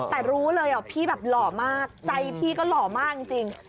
แต่รู้เลยพี่แบบหล่อมากใจพี่ก็หล่อมากจริง